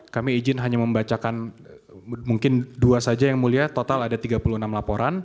kami izin hanya membacakan mungkin dua saja yang mulia total ada tiga puluh enam laporan